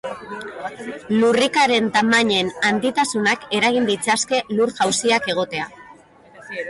Lurrikaren tamainen handitasunak eragin ditzazke lur-jausiak egotea.